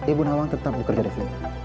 ibu nawang tetap bekerja di sini